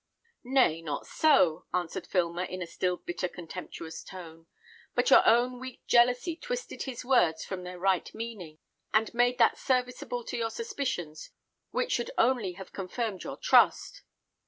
"Nay, not so," answered Filmer, in a still bitter contemptuous tone; "but your own weak jealousy twisted his words from their right meaning, and made that serviceable to your suspicions which should only have confirmed your trust."